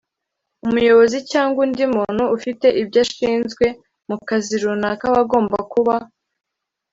umuyobozi cyangwa undi muntu ufite ibyo ashinzwe mu kazi runaka aba agomba kuba